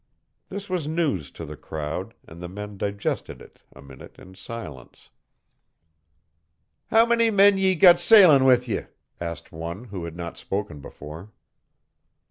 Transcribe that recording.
This was news to the crowd, and the men digested it a minute in silence. "How many men ye got sailin' with ye?" asked one who had not spoken before.